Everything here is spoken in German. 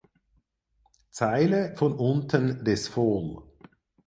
Zeile von unten des fol.